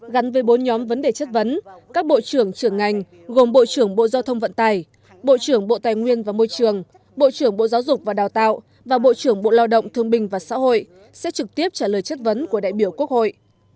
gắn với bốn nhóm vấn đề chất vấn các bộ trưởng trưởng ngành gồm bộ trưởng bộ giao thông vận tải bộ trưởng bộ tài nguyên và môi trường bộ trưởng bộ giáo dục và đào tạo và bộ trưởng bộ lao động thương bình và xã hội sẽ trực tiếp trả lời chất vấn của đại biểu quốc hội